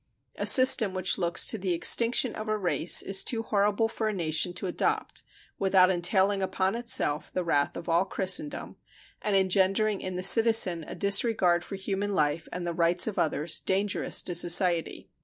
A system which looks to the extinction of a race is too horrible for a nation to adopt without entailing upon itself the wrath of all Christendom and engendering in the citizen a disregard for human life and the rights of others, dangerous to society.